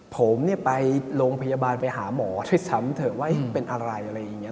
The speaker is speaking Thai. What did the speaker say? ผมไปโรงพยาบาลไปหาหมอด้วยซ้ำเถอะว่าเป็นอะไรอะไรอย่างนี้